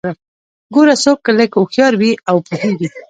ګوره څوک که لږ هوښيار وي او پوهیږي